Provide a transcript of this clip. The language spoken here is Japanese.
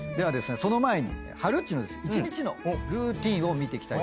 その前にはるっちの一日のルーティンを見ていきたいと。